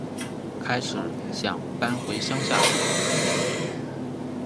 开始想搬回乡下住